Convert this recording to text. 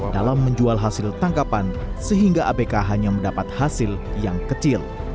dalam menjual hasil tangkapan sehingga abk hanya mendapat hasil yang kecil